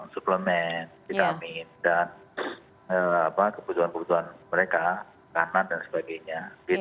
suplemen vitamin dan kebutuhan kebutuhan mereka kanan dan sebagainya